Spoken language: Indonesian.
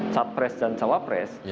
satpres dan sawapres